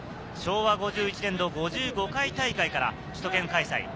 昭和５１年の５５回大会から首都圏開催。